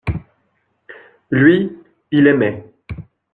Lui, il aimait.